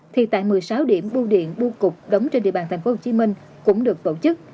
thì tại một mươi sáu điểm bu điện bu cục đóng trên địa bàn thành phố hồ chí minh cũng được tổ chức